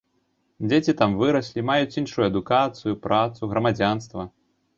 Дзеці там выраслі, маюць іншую адукацыю, працу, грамадзянства.